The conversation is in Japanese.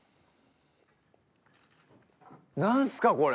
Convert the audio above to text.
何すかこれ！